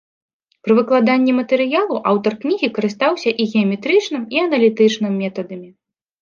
Пры выкладанні матэрыялу аўтар кнігі карыстаўся і геаметрычным, і аналітычным метадамі.